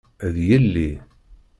D yelli.